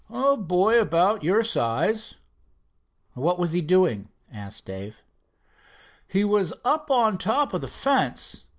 "A boy about your size." "What was he doing?" asked Dave. "He was up on top of the fence.